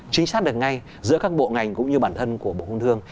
chính xác được ngay giữa các bộ ngành cũng như bản thân của bộ công thương